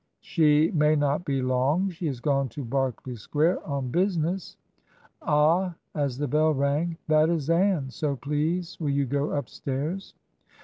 "She may not be long. She has gone to Berkeley Square on business. Ah," as the bell rang, "that is Ann, so please will you go upstairs."